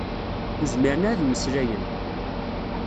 Ur zmiren ara ad mmeslayen.